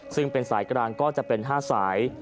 ซึ่งเป็นสายกลางก็จะเป็น๕สาย